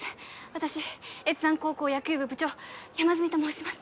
私越山高校野球部・部長山住と申します